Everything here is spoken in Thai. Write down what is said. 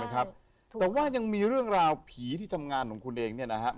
แต่ว่ายังมีเรื่องราวผีที่ทำงานของคุณเองเนี่ยนะครับ